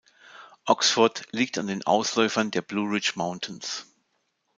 Oxford liegt an den Ausläufern der Blue Ridge Mountains.